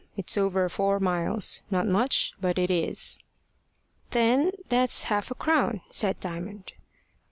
It's over four miles not much, but it is." "Then that's half a crown," said Diamond.